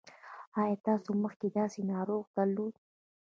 ایا تاسو مخکې داسې ناروغ درلود؟